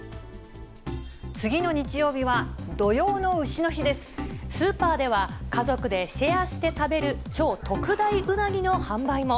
次の日曜日は土用のうしの日スーパーでは、家族でシェアして食べる超特大うなぎの販売も。